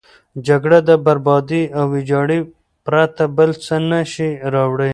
جګړه د بربادي او ویجاړي پرته بل څه نه شي راوړی.